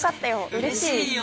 うれしい。